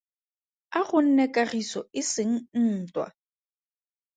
A gonne kagiso e seng ntwa.